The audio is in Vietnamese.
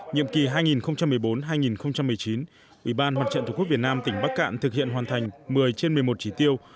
nhiệm kỳ hai nghìn một mươi bốn hai nghìn một mươi chín ủy ban mặt trận tổ quốc việt nam tỉnh bắc cạn thực hiện hoàn thành một mươi trên một mươi một chỉ tiêu